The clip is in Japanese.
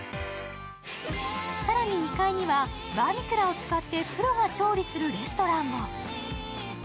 更に２階にはバーミキュラを使ってプロが調理するレストランも。